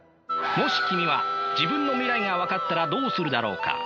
もし君は自分の未来が分かったらどうするだろうか？